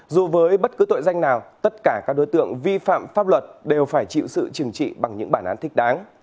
dù với bất cứ tội danh nào tất cả các đối tượng vi phạm pháp luật đều phải chịu sự trừng trị bằng những bản án thích đáng